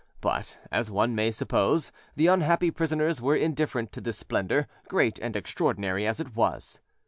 But, as one may suppose, the unhappy prisoners were indifferent to this splendour, great and extraordinary as it was.